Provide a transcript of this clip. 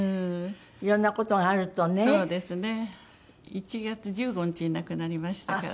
１月１５日に亡くなりましたから。